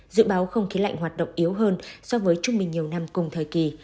dự báo không khí lạnh hoạt động yếu hơn so với trung bình nhiều năm cùng thời kỳ